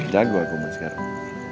jago aku ma sekarang